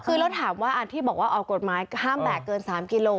คือแล้วถามว่าที่บอกว่าออกกฎหมายห้ามแบกเกิน๓กิโล